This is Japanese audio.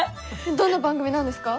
どんな番組なんですか？